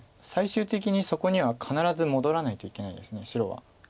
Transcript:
最終的にそこには必ず戻らないといけないです白は。